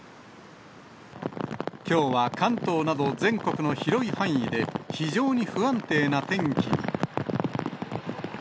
きょうは関東など、全国の広い範囲で非常に不安定な天気に。